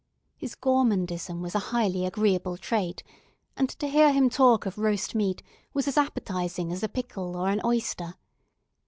His gourmandism was a highly agreeable trait; and to hear him talk of roast meat was as appetizing as a pickle or an oyster.